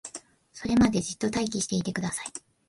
それまでじっと待機していてください